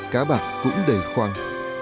cá bạc cũng đầy khoang